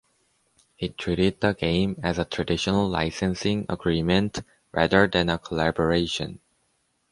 He treated the game as a traditional licensing agreement rather than a collaboration.